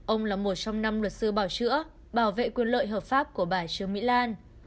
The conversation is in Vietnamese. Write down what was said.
ông là một trong năm luật sư bảo chữa bảo vệ quyền lợi hợp pháp của bà trương mỹ lan